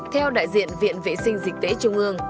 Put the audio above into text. theo đại diện viện vệ sinh dịch tễ trung ương